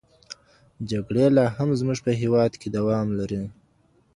جګړې لا هم زموږ په هېواد کې دوام لري.